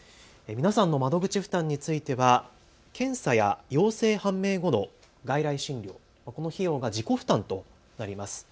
皆さんの窓口負担については検査や陽性判明後の外来診療、この費用が自己負担となります。